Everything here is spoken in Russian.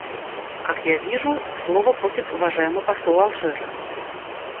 Как я вижу, слова просит уважаемый посол Алжира.